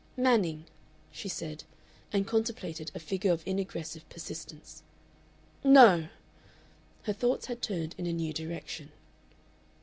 "Manning," she said, and contemplated a figure of inaggressive persistence. "No!" Her thoughts had turned in a new direction.